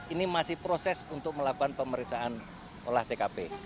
ini masih proses untuk melakukan pemeriksaan olah tkp